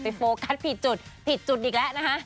ผิดจุดผิดจุดอีกแล้วนะฮะ